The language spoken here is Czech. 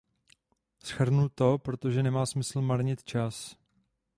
Shrnu to, protože nemá smysl marnit čas.